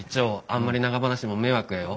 あんまり長話も迷惑やよ。